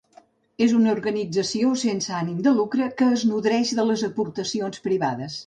És una organització sense ànim de lucre que es nodreix de les aportacions privades.